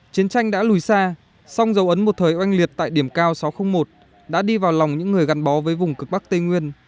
chiến tranh đã lùi xa song dấu ấn một thời oanh liệt tại điểm cao sáu trăm linh một đã đi vào lòng những người gắn bó với vùng cực bắc tây nguyên